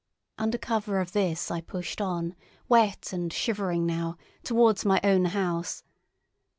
Under cover of this I pushed on, wet and shivering now, towards my own house.